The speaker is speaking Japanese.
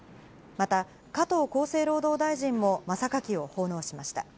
また加藤厚生労働大臣も真榊を奉納しました。